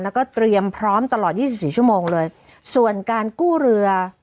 แล้วก็เตรียมพร้อมตลอดยี่สิบสี่ชั่วโมงเลยส่วนการกู้เรือ